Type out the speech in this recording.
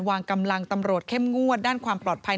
วางกำลังตำรวจเข้มงวดด้านความปลอดภัย